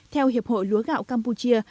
theo hiệp hội lúa gạo campuchia